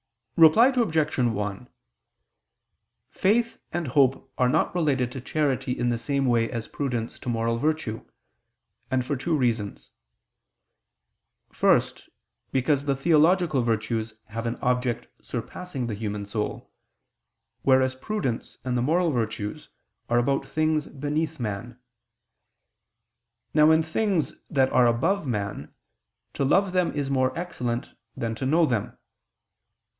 Reply Obj. 1: Faith and hope are not related to charity in the same way as prudence to moral virtue; and for two reasons. First, because the theological virtues have an object surpassing the human soul: whereas prudence and the moral virtues are about things beneath man. Now in things that are above man, to love them is more excellent than to know them.